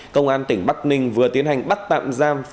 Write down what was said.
công an tỉnh bắc ninh vừa tiến hành bắt tạm giam